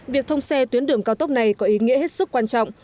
việc thông xe tuyến đường cao tốc này có ý nghĩa hết sức quan trọng